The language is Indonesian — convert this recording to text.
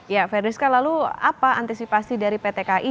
ya verdiska lalu apa antisipasi dari pt kai